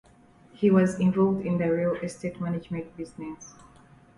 He was involved in the real estate management business.